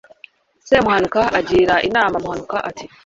semuhanuka agira inama muhanuka ati